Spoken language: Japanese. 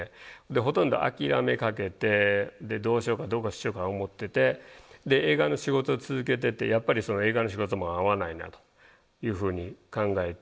ほとんど諦めかけてどうしようかどうしようか思っててで映画の仕事を続けててやっぱり映画の仕事も合わないなというふうに考えて。